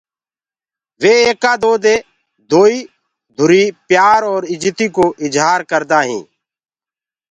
وي ايڪآ دو دي دوئيٚ ڌُري پيآر اور اِجتي ڪو اجهآر ڪردآ هين۔